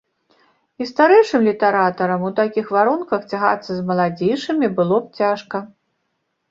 І старэйшым літаратарам у такіх варунках цягацца з маладзейшымі было б цяжка.